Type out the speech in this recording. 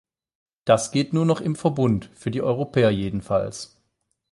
Das geht nur noch im Verbund, für die Europäer jedenfalls.